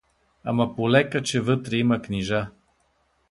Ама полека, че вътре има книжа.